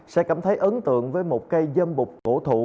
sẽ cảm thấy ấn tượng với một cây dâm bục cổ thụ